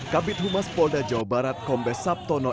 kabit humas polda jawa barat kombes sabtono